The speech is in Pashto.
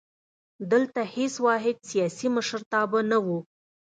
دلته هېڅ واحد سیاسي مشرتابه نه وو.